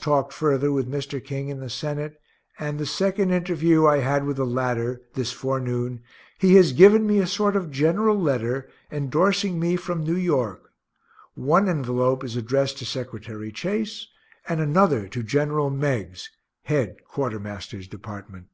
talked further with Mr. King in the Senate, and the second interview I had with the latter (this forenoon) he has given me a sort of general letter, endorsing me from New York one envelope is addressed to Secretary Chase, and another to Gen. Meigs, head Quartermaster's dept.